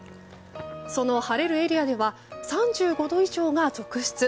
その晴れるエリアでは３５度以上が続出。